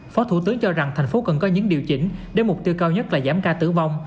phó thủ tướng cho rằng thành phố cần có những điều chỉnh để mục tiêu cao nhất là giảm ca tử vong